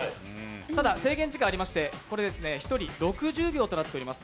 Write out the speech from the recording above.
ただ制限時間ありまして１人６０秒となっております。